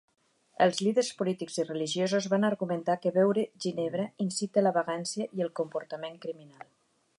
El líders polítics i religiosos van argumentar que beure ginebra incita la vagància i el comportament criminal.